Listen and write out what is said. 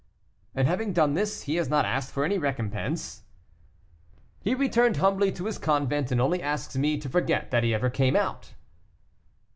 "And having done this, he has not asked for any recompense?" "He returned humbly to his convent, and only asks me to forget that he ever came out."